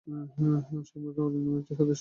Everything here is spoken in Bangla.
সম্রাট এবং আরণ্যের মধ্যে একটা সাদৃশ্য আছে।